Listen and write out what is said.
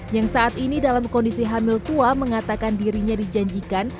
yang saat ini dalam kondisi hamil tua mengatakan dirinya dijanjikan